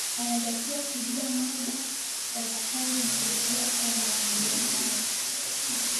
anatakiwa kujua mada watakayozungumzia kwenye mahojiano hayo